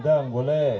ikan bandeng boleh